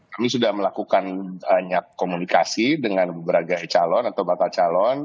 kami sudah melakukan banyak komunikasi dengan beberapa calon atau bakal calon